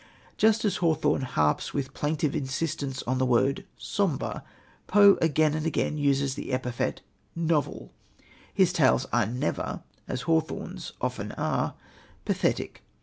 Just as Hawthorne harps with plaintive insistence on the word "sombre," Poe again and again uses the epithet "novel." His tales are never, as Hawthorne's often are, pathetic.